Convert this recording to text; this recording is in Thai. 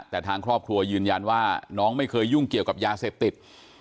แต่ทางครอบครัวยืนยันว่าน้องไม่เคยยุ่งเกี่ยวกับยาเสพติด